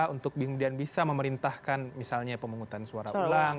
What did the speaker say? untuk kemudian bisa memerintahkan misalnya pemungutan suara ulang